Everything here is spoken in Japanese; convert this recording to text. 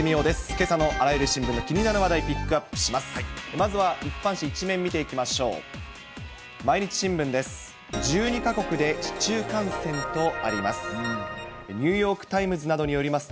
けさのあらゆる新聞の気になる話題、ピックアップします。